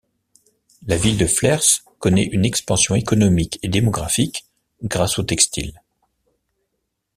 La ville de Flers connaît une expansion économique et démographique, grâce au textile.